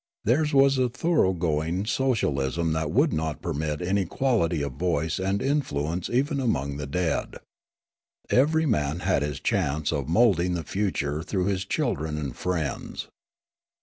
Theirs was thoroughgoing socialism that would not permit inequality of voice and influence even among the dead. Every man had his chance of moulding the future through his children and friends.